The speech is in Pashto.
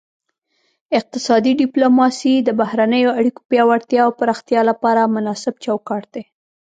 اقتصادي ډیپلوماسي د بهرنیو اړیکو پیاوړتیا او پراختیا لپاره مناسب چوکاټ دی